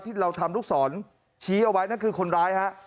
ที่เราทำลูกศรชี้เอาไว้นั่นคือคนร้ายฮะ